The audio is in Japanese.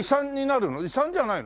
遺産じゃないの？